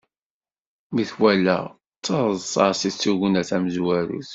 Mi t-walaɣ, d taḍsa-s i d tugna tamezwarut.